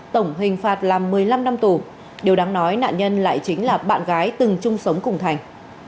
tổng hình phạt là một mươi năm năm tù điều đáng nói nạn nhân lại chính là bạn gái từng chung sống cùng thành